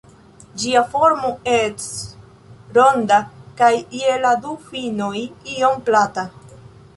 Ĝia formo ests ronda kaj je la du finoj iom plata.